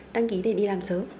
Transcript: đăng ký để đi làm sớm